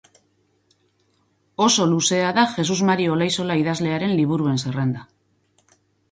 Oso luzea da Jesus Mari Olaizola idazlearen liburuen zerrenda.